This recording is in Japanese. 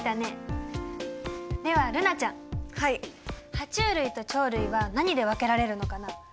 ハチュウ類と鳥類は何で分けられるのかな？